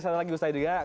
sampai lagi ustaz idhiyah